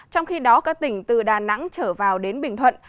trong khi đó các tỉnh từ đà nẵng trở vào đến bình thuận